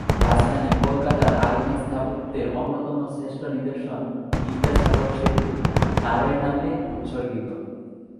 রাজধানী কলকাতার আধুনিক স্থাপত্যের অন্যতম শ্রেষ্ঠ নিদর্শন বিদ্যাসাগর সেতু তারই নামে উৎসর্গিত।